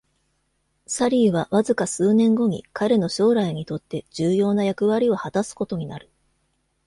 サリーはわずか数年後に彼の将来にとって重要な役割を果たすことになる。